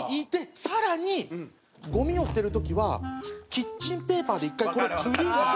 さらにごみを捨てる時はキッチンペーパーで１回これをくるんで。